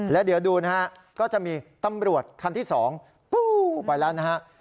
และเดี๋ยวดูก็จะมีตำรวจคันที่สองไปแล้วนะครับ